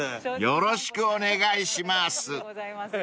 ［よろしくお願いします］